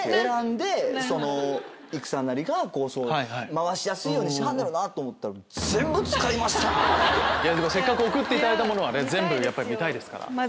選んで育さんなりが回しやすいようにしはんねやろなと思ったら「全部使いました！」。せっかく送っていただいたものは全部やっぱり見たいですから。